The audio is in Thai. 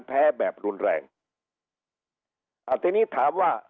แพ้แบบรุนแรงอ่าทีนี้ถามว่า